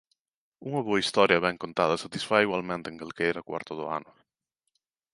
Unha boa historia, ben contada, satisfai igualmente en calquera cuarto do ano.